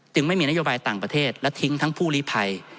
ไม่มีนโยบายต่างประเทศและทิ้งทั้งผู้ลิภัย